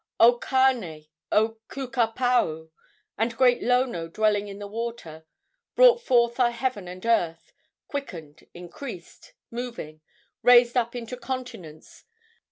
O Kane, O Ku ka pao, And great Lono dwelling in the water, Brought forth are Heaven and Earth, Quickened, increased, moving, Raised up into Continents.